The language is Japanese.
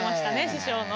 師匠の。